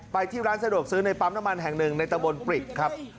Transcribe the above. ไปที่ร้านสะดวกซื้อในปั๊มน้ำมันแห่งหนึ่งในตะบนปริกครับ